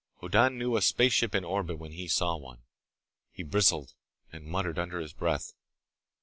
Hoddan knew a spaceship in orbit when he saw one. He bristled, and muttered under his breath.